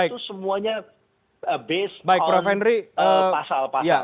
itu semuanya based of pasal pasal